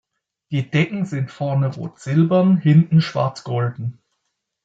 Die Decken sind vorne rot-silbern, hinten schwarz-golden.